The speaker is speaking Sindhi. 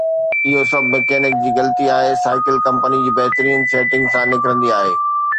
اهو سڀ مکينڪ جي غلطي آهي، سائيڪل ڪمپني جي بهترين سيٽنگ سان نڪرندي آهي